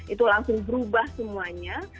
itu langsung berubah semuanya